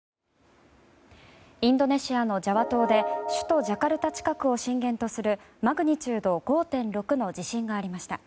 インドネシアのジャワ島で首都ジャカルタ近くを震源とするマグニチュード５．６の地震がありました。